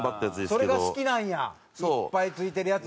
それが好きなんやいっぱいついてるやつが。